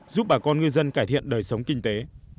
giúp bà con ngư dân cải thiện đời sống kinh tế